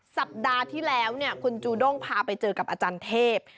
สัปดาห์ที่แล้วคุณจูด้งพาไปเจอกับอาจารย์เทพ